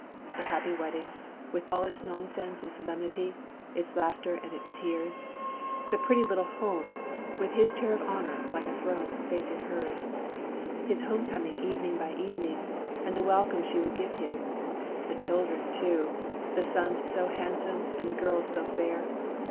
The happy wedding, with all its nonsense and solemnity, its laughter and its tears; the pretty little home, with his chair of honour, like a throne, facing hers; his homecoming evening by evening, and the welcome she would give him; the children, too the sons so handsome and the girls so fair!